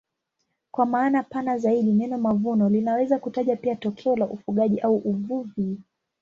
Kwa maana pana zaidi neno mavuno linaweza kutaja pia tokeo la ufugaji au uvuvi.